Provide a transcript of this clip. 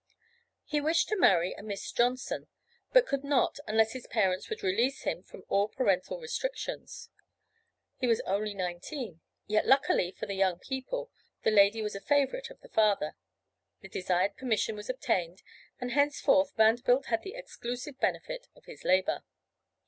He wished to marry a Miss Johnson, but could not unless his parents would release him from all parental restrictions. He was only nineteen, yet luckily for the young people the lady was a favorite of the father; the desired permission was obtained and henceforth Vanderbilt had the exclusive benefit of his labor.